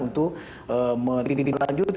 untuk mendidik dikik lanjut